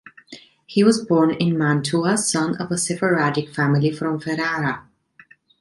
He was born in Mantua, son of a Sephardic family from Ferrara.